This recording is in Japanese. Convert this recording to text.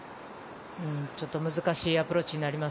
ちょっと難しいアプローチになります。